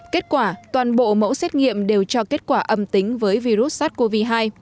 kết quả toàn bộ mẫu xét nghiệm đều cho kết quả âm tính với virus sars cov hai